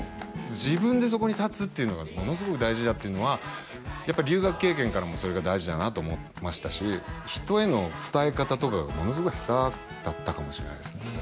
自分でそこに立つっていうのがものすごい大事だっていうのはやっぱり留学経験からもそれが大事だなと思いましたし人への伝え方とかがものすごい下手だったかもしれないですね